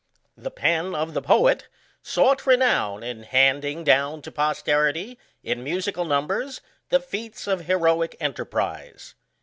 The pen of the poet sought renown in handing down to posterity, in musical numbers, the feats of heroic enterprise.